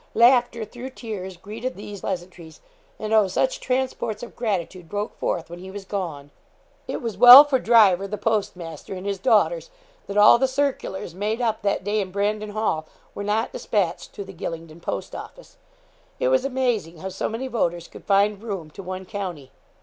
Laughter through tears greeted these pleasantries; and oh, such transports of gratitude broke forth when he was gone! It was well for Driver, the postmaster, and his daughters, that all the circulars made up that day in Brandon Hall were not despatched through the Gylingden post office. It was amazing how so many voters could find room to one county.